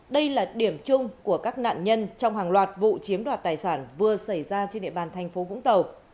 đây là điểm chung của các nạn nhân trong hàng loạt vụ chiếm đoạt tài sản vừa xảy ra trên địa bàn thành phố vũng tàu